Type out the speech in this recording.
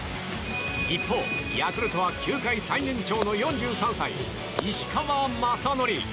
一方、ヤクルトは球界最年長の４３歳、石川雅規。